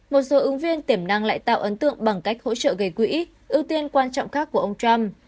một số ứng viên tiềm năng lại tạo ấn tượng bằng cách hỗ trợ gây quỹ ưu tiên quan trọng khác của ông trump